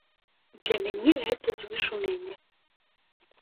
Для мяне гэта звышуменне.